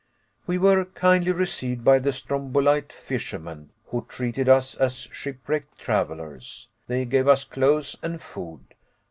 We were kindly received by the Strombolite fishermen, who treated us as shipwrecked travelers. They gave us clothes and food.